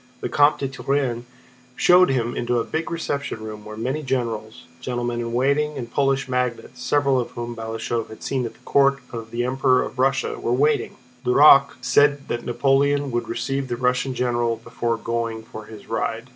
The Comte de Turenne showed him into a big reception room where many generals, gentlemen in waiting, and Polish magnates—several of whom Balashëv had seen at the court of the Emperor of Russia—were waiting. Duroc said that Napoleon would receive the Russian general before going for his ride.